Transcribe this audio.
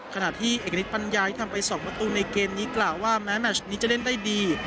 ขณะที่เอกฤทธปัญญาที่ทำไป๒ประตูในเกมนี้กล่าวว่าแม้แมชนี้จะเล่นได้ดี